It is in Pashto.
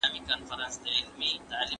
که هڅه وکړئ نو بریالي به سئ.